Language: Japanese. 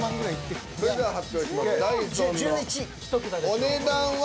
お値段は。